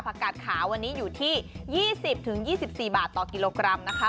กาดขาววันนี้อยู่ที่๒๐๒๔บาทต่อกิโลกรัมนะคะ